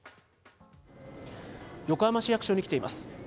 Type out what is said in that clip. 横浜市役所に来ています。